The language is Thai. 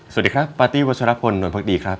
สวัสดีครับปาร์ตี้วัชละพลหน่วยพรรคดีครับ